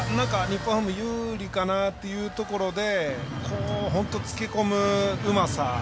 なんか、日本ハム有利かなっていうところで本当につけ込むうまさ。